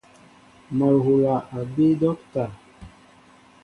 Mol hula a bii docta.